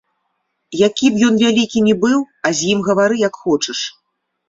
Які б ён вялікі ні быў, а з ім гавары як хочаш.